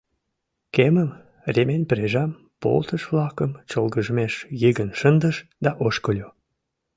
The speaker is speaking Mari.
Кемым, ремень прежам, полтыш-влакым чолгыжмеш йыген шындыш да ошкыльо.